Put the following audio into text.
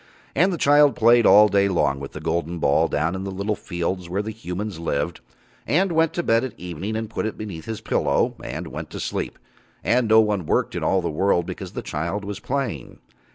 And the child played all day long with the golden ball down in the little fields where the humans lived, and went to bed at evening and put it beneath his pillow, and went to sleep, and no one worked in all the world because the child was playing.